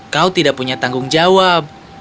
kau tidak punya tanggung jawab